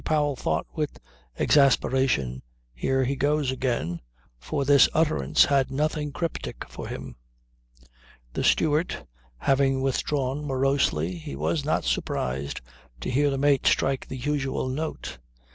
Powell thought with exasperation: "Here he goes again," for this utterance had nothing cryptic for him. The steward having withdrawn morosely, he was not surprised to hear the mate strike the usual note.